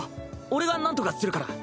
俺がなんとかするから。